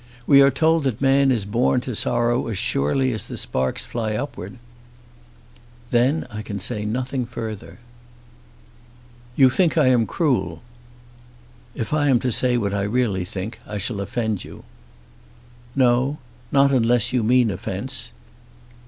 We are told that man is born to sorrow as surely as the sparks fly upwards." "Then I can say nothing further." "You think I am cruel." "If I am to say what I really think I shall offend you." "No; not unless you mean offence."